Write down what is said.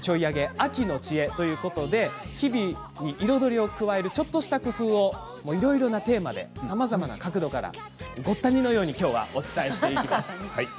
秋の知恵」ということで日々に彩りを加えるちょっとした工夫をいろいろなテーマでさまざまな角度からごった煮のようにお伝えしていきます。